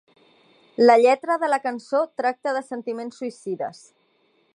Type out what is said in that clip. La lletra de la cançó tracta dels sentiments suïcides.